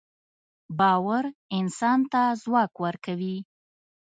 باورانسان ته ځواک ورکوي